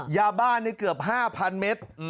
ยาบ้านี่เกือบ๕๐๐เมตร